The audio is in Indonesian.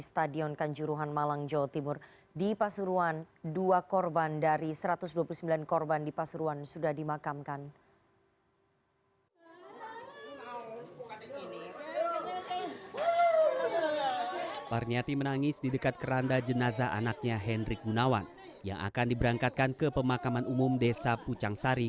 tanda jenazah anaknya hendrik gunawan yang akan diberangkatkan ke pemakaman umum desa pucang sari